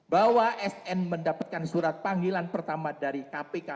bahwa sn mendapatkan surat panggilan pertama dari kpk